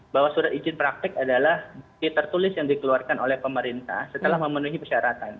bahwa surat izin praktek adalah bukti tertulis yang dikeluarkan oleh pemerintah setelah memenuhi persyaratan